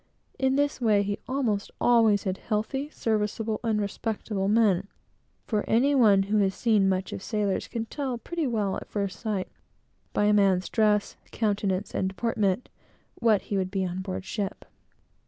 In this way he almost always had healthy, serviceable, and respectable men; for any one who has seen much of sailors can tell pretty well at first sight, by a man's dress, countenance, and deportment, what he would be on board ship.